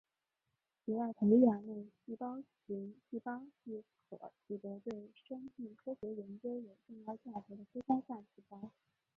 体外培养内细胞群细胞即可取得对生命科学研究有重要价值的胚胎干细胞